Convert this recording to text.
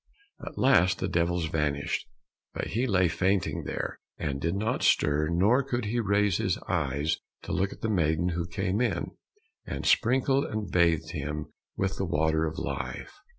At last the devils vanished, but he lay fainting there, and did not stir, nor could he raise his eyes to look at the maiden who came in, and sprinkled and bathed him with the water of life.